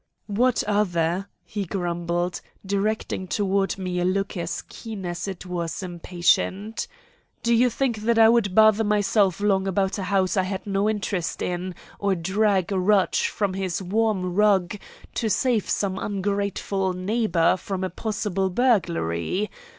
"What other?" he grumbled, directing toward me a look as keen as it was impatient. "Do you think that I would bother myself long about a house I had no interest in, or drag Rudge from his warm rug to save some ungrateful neighbor from a possible burglary?